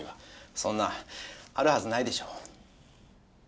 そんなあるはずないでしょう。